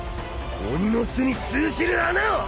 鬼の巣に通じる穴を！